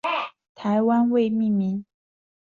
台湾未命名。